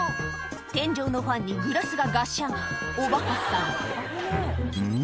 天井のファンにグラスがガシャンおバカさんん？